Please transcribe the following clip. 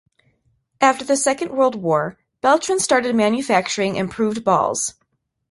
After the Second World War, Beltran started manufacturing improved balls.